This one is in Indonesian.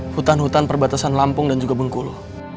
hutan hutan perbatasan lampung dan juga bengkulu